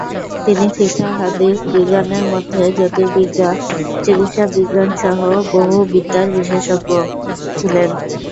তিনি ফিকাহ, হাদিস, বিজ্ঞানের মধ্যে জ্যোতির্বিজ্ঞান, চিকিৎসাবিজ্ঞান-সহ বহু বিদ্যার বিশেষজ্ঞ ছিলেন।